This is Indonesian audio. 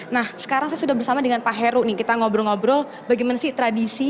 nah sekarang saya sudah bersama dengan pak heru nih kita ngobrol ngobrol bagaimana sih tradisi